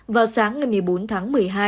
vào sáng ngày một mươi bốn tháng một mươi hai